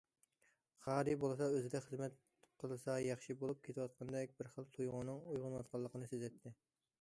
خارى بولسا ئۆزىدە خىزمەت قىلسا ياخشى بولۇپ كېتىۋاتقاندەك بىر خىل تۇيغۇنىڭ ئويغىنىۋاتقانلىقىنى سېزەتتى.